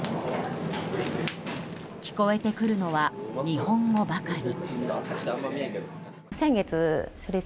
聞こえてくるのは日本語ばかり。